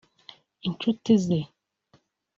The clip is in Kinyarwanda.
inshuti ze